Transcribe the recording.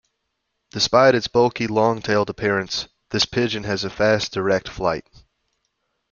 Despite its bulky, long-tailed appearance, this pigeon has a fast, direct flight.